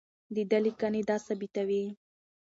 د ده لیکنې دا ثابتوي.